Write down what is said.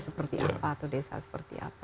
seperti apa atau desa seperti apa